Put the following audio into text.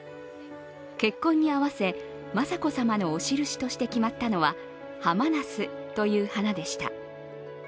結婚に合わせ、雅子さまのお印として決まったのはハマナスという花でした。